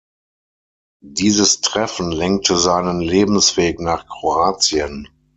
Dieses Treffen lenkte seinen Lebensweg nach Kroatien.